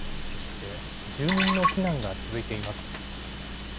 そして住民の避難が続いています。